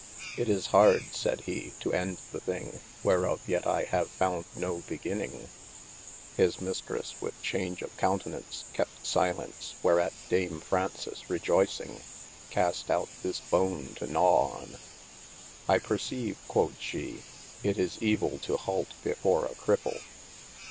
It is hard said he to ende the thing, whereof yet I have founde no begininge. His Mistresse with chaunge of countenaunce kept silence whereat dame Fraunces rejoycinge, cast out this bone to gnawe on. I perceyve (quod she) it is evill to halte before a Creple.